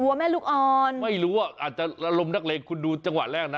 แม่ลูกอ่อนไม่รู้ว่าอาจจะอารมณ์นักเลงคุณดูจังหวะแรกนะ